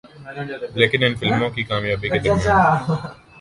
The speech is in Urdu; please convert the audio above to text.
لیکن ان فلموں کی کامیابی کے درمیان